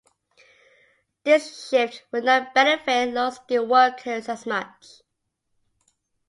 This shift would not benefit low-skill workers as much.